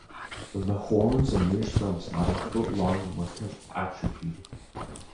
The horns, mere stumps not a foot long, must have atrophied.